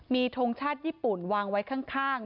มีทงชาติญี่ปุ่นวางไว้ข้าง